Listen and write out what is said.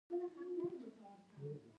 غرمه د ستړو غړو د آرام وخت دی